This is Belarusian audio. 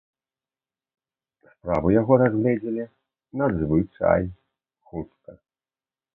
Справу яго разгледзелі надзвычай хутка.